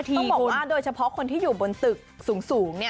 ต้องบอกว่าโดยเฉพาะคนที่อยู่บนตึกสูง